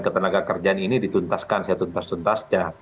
kementerian ketenagakerjaan ini dituntaskan saya tuntas tuntas